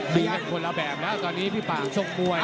มีคนละแบบนะตอนนี้พี่ปากสกมวย